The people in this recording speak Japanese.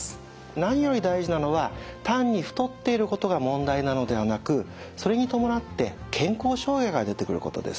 何より大事なのは単に太っていることが問題なのではなくそれに伴って健康障害が出てくることです。